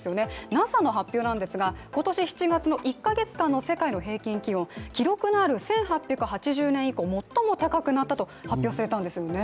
ＮＡＳＡの発表なんですが、今年７月の１か月間の世界の平均気温記録のある１８８０年以降最も高くなったと発表されたんですよね。